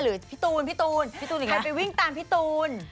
หรือพี่ตูนใครไปวิ่งตามพี่ตูน